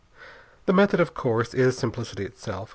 The method, of course, is simplicity itself.